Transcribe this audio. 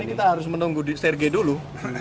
nah ini kita harus menunggu sergei dulu